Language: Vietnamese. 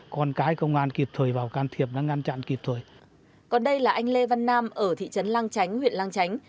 còn đây là anh lê văn nam ở thị trấn lang chánh huyện lang chánh